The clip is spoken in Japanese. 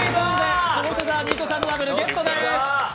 下北沢ミートサンドダブルゲットです。